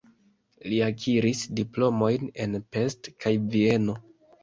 Li akiris diplomojn en Pest kaj Vieno.